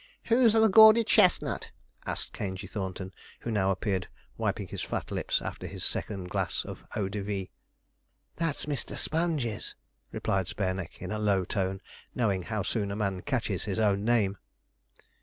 'Who's o' the gaudy chestnut?' asked Caingey Thornton, who now appeared, wiping his fat lips after his second glass of eau de vie. 'That's Mr. Sponge's,' replied Spareneck in a low tone, knowing how soon a man catches his own name.